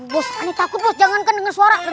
bos aneh takut bos jangan kan denger suara